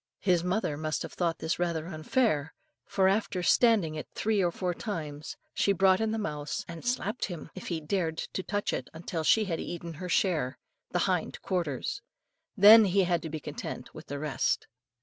His mother must have thought this rather unfair, for after standing it three or four times, she brought in the mouse, and slapped him if he dared to touch it until she had eaten her share the hind quarters; then he had to be content with the rest.